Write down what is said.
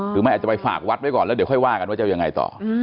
อาจจะไปฝากวัดไว้ก่อนแล้วเดี๋ยวค่อยว่ากันว่าจะยังไงต่อ